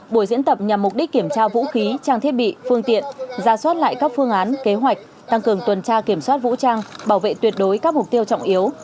buổi diễn tập nhằm mục đích kiểm tra vũ khí trang thiết bị phương tiện ra soát lại các phương án kế hoạch tăng cường tuần tra kiểm soát vũ trang bảo vệ tuyệt đối các mục tiêu trọng yếu